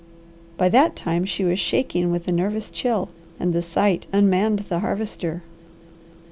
By that time she was shaking with a nervous chill, and the sight unmanned the Harvester.